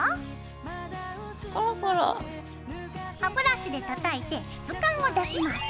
歯ブラシで叩いて質感を出します。